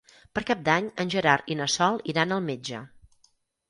Per Cap d'Any en Gerard i na Sol iran al metge.